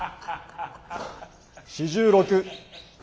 ４６。